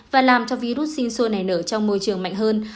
và làm cho virus sinh sô này nở trong môi trường mạnh hơn